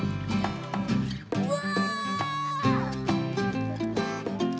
うわ！